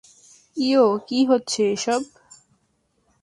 ইয়ো, কী হচ্ছে এসব?